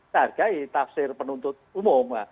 targai tafsir penuntut umum